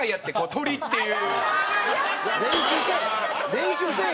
練習せえ！